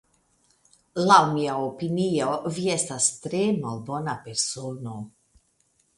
Laŭ mia opinio vi estas tre malbona persono?